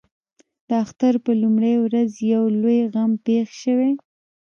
د اختر پر لومړۍ ورځ یو لوی غم پېښ شوی.